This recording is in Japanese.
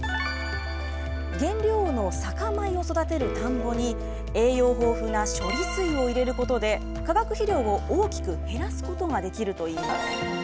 原料の酒米を育てる田んぼに、栄養豊富な処理水を入れることで、化学肥料を大きく減らすことができるといいます。